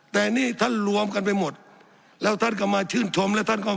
แต่อันนี้ท่านรวมกันไปหมดแล้วท่านก็มาชื่นชม